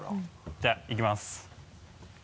じゃあいきます。